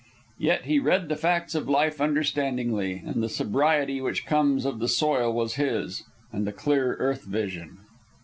Yet he read the facts of life understandingly, and the sobriety which comes of the soil was his, and the clear earth vision.